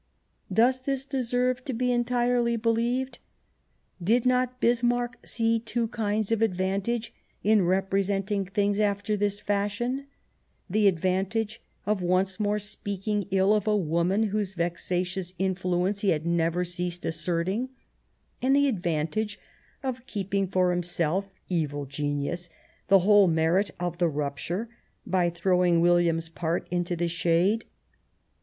Does this deserve to be entirely believed ? Did not Bismarck see two kinds of advantage in repre senting things after this fashion ? The advantage of once more speaking ill of a woman whose vexatious influence he had never ceased asserting, and the advantage of keeping for himself — evil genius — the whole merit of the rupture by throwing William's part into the shade.